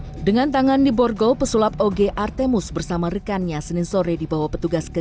hai dengan tangan di borgo pesulap oge artemus bersama rekannya senin sore dibawa petugas ke